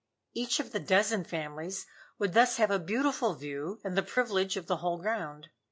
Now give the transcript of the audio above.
Each of the dozen families would thus have a beautiful view and the privilege of the whole ground.